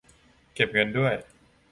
เก็บเงินด้วย